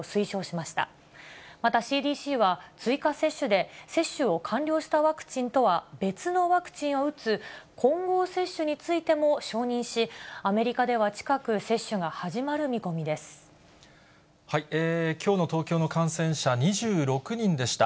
またＣＤＣは、追加接種で接種を完了したワクチンとは別のワクチンを打つ、混合接種についても承認し、アメリカでは近く、接種が始まるきょうの東京の感染者２６人でした。